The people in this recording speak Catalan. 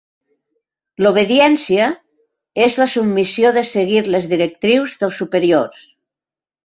L'obediència és la submissió de seguir les directrius dels superiors.